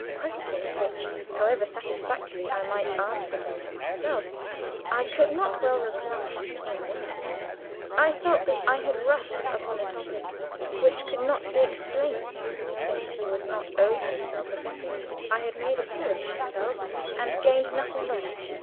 Questions which, however satisfactorily I might answer them to myself, I could not well reply to in words. I felt that I had rushed upon a topic which could not be explained, since he would not own himself offended. I had made a fool of myself and gained nothing by it.